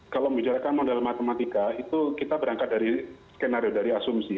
kalau membicarakan model matematika itu kita berangkat dari skenario dari asumsi